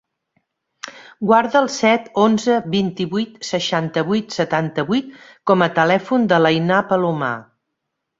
Guarda el set, onze, vint-i-vuit, seixanta-vuit, setanta-vuit com a telèfon de l'Einar Palomar.